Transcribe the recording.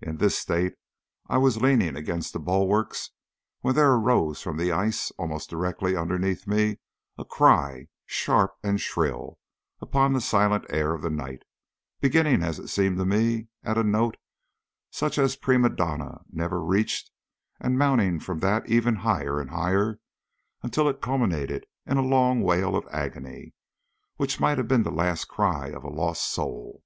In this state I was leaning against the bulwarks when there arose from the ice almost directly underneath me a cry, sharp and shrill, upon the silent air of the night, beginning, as it seemed to me, at a note such as prima donna never reached, and mounting from that ever higher and higher until it culminated in a long wail of agony, which might have been the last cry of a lost soul.